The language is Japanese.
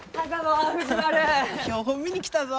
標本見に来たぞ。